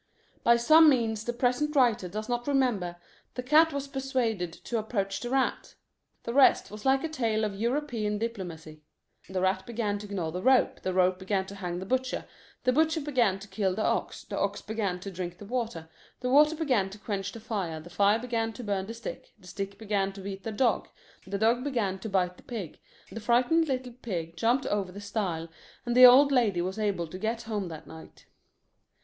By some means the present writer does not remember, the cat was persuaded to approach the rat. The rest was like a tale of European diplomacy: The rat began to gnaw the rope, The rope began to hang the butcher, The butcher began to kill the ox, The ox began to drink the water, The water began to quench the fire, The fire began to burn the stick, The stick began to beat the dog, The dog began to bite the pig, The frightened little pig jumped over the stile, And the old lady was able to get home that night.